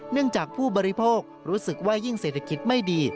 จากผู้บริโภครู้สึกว่ายิ่งเศรษฐกิจไม่ดี